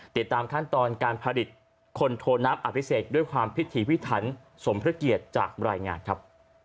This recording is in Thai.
ติดตามท่านตอนการผลิตคนโทน้ำอัพพิเศษด้วยความพิธีพิธันสมเทศเกียจจากรายงานครับ